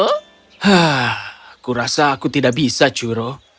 hah aku rasa aku tidak bisa curo